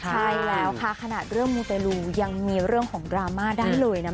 ใช่แล้วค่ะขนาดเรื่องมูเตรลูยังมีเรื่องของดราม่าได้เลยนะ